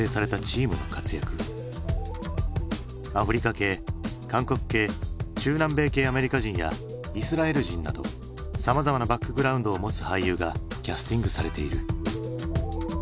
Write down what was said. アフリカ系韓国系中南米系アメリカ人やイスラエル人などさまざまなバックグラウンドを持つ俳優がキャスティングされている。